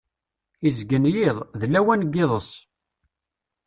Izeggen yiḍ, d lawan n yiḍes.